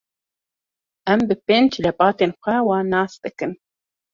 Em bi pênc lebatên xwe wan nas dikin.